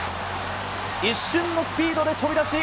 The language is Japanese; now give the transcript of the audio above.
一瞬のスピードで飛び出し